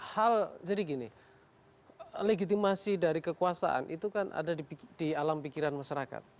hal jadi gini legitimasi dari kekuasaan itu kan ada di alam pikiran masyarakat